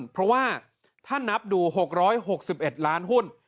เพราะว่าถ้านับดู๖๖๑ล้านหุ้น